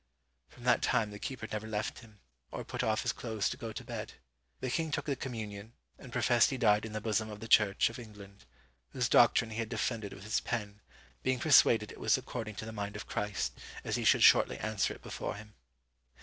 "From that time the keeper never left him, or put off his clothes to go to bed. The king took the communion, and professed he died in the bosom of the Church of England, whose doctrine he had defended with his pen, being persuaded it was according to the mind of Christ, as he should shortly answer it before him.